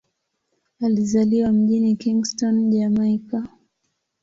Alizaliwa mjini Kingston, Jamaika.